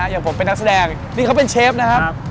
อย่างผมเป็นนักแสดงนี่เขาเป็นเชฟนะครับ